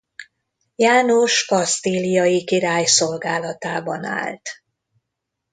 János kasztíliai király szolgálatában állt.